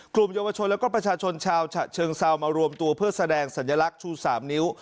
กลุ่มเยาวชนและก็ประชาชนชาวฉะเชิงเซามารวมตัวเพื่อแสดงสัญลักษณ์ชู๓นิ้ว